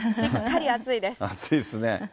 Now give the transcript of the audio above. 暑いですね。